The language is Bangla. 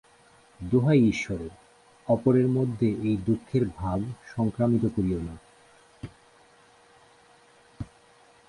দোহাই ঈশ্বরের, অপরের মধ্যে এই দুঃখের ভাব সংক্রামিত করিও না।